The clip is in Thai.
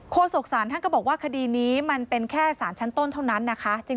โศกศาลท่านก็บอกว่าคดีนี้มันเป็นแค่สารชั้นต้นเท่านั้นนะคะ